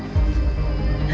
sampai jumpa lagi